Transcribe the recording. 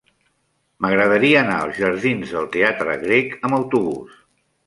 M'agradaria anar als jardins del Teatre Grec amb autobús.